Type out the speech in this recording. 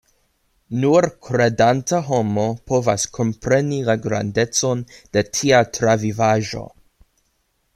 Nur kredanta homo povas kompreni la grandecon de tia travivaĵo.